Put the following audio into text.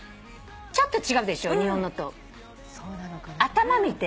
ちょっと違うでしょ日本のと。頭見て。